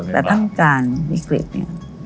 แต่ท่านการวิกฤตเนี่ย